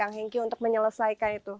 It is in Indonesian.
yang hengkih untuk menyelesaikannya